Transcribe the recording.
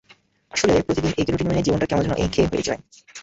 আসলে প্রতিদিন একই রুটিন মেনে জীবনটা কেমন যেন একঘেয়ে হয়ে যায়।